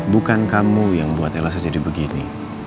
bukan kamu yang buat elsa jadi begini